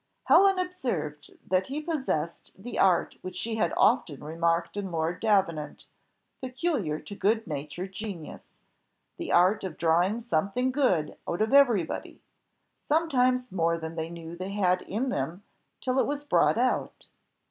Helen observed that he possessed the art which she had often remarked in Lord Davenant, peculiar to good natured genius the art of drawing something good out of every body; sometimes more than they knew they had in them till it was brought out.